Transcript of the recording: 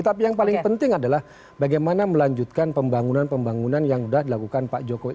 tapi yang paling penting adalah bagaimana melanjutkan pembangunan pembangunan yang sudah dilakukan pak jokowi